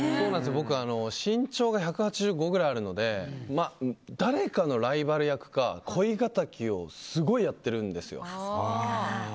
僕、身長が１８５ぐらいあるので誰かのライバル役か、恋敵をすごいやってるんですよ。